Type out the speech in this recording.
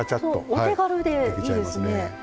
お手軽でいいですね。